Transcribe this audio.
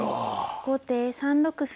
後手３六歩。